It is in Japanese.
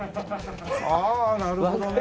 ああなるほどね。